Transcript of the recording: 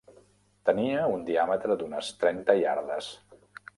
Tenia un diàmetre d'unes trenta iardes.